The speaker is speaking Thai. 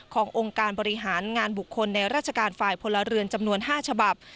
ขององค์การบริหารงานบุคคลในราชการฝ่ายพลเรือนจำนวน๕ฉบับ